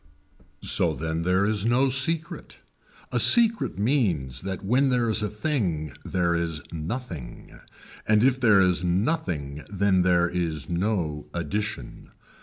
So then there is no secret. A secret means that when there is a thing there is nothing and if there is nothing then there is no addition.